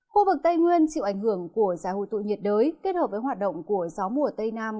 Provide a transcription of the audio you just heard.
khu vực tây nguyên chịu ảnh hưởng của giải hồi tụ nhiệt đới kết hợp với hoạt động của gió mùa tây nam